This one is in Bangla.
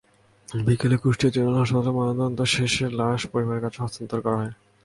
বিকেলে কুষ্টিয়া জেনারেল হাসপাতালে ময়নাতদন্ত শেষে লাশ পরিবারের কাছে হস্তান্তর করা হয়।